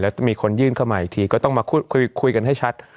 แล้วมีคนยื่นเข้ามาอีกทีก็ต้องมาคุยกันให้ชัด